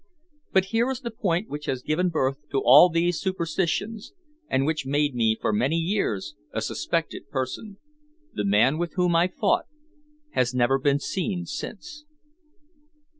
But here is the point which has given birth to all these superstitions, and which made me for many years a suspected person. The man with whom I fought has never been seen since."